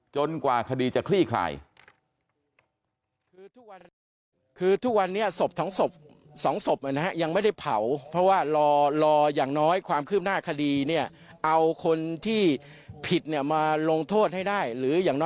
กว่าคดีจะคลี่คลาย